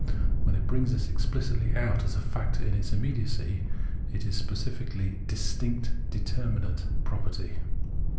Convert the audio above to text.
When it brings this exphcitly out as a factor in its immediacy, it is a specifically distinct determinate property.